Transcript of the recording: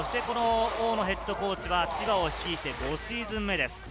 大野ヘッドコーチは千葉を率いて５シーズン目です。